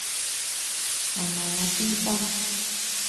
係咪啊，先生